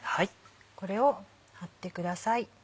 これを張ってください。